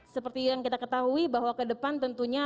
seperti yang kita ketahui bahwa ke depan tentunya